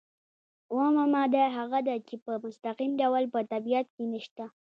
اومه ماده هغه ده چې په مستقیم ډول په طبیعت کې نشته.